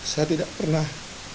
saya tidak pernah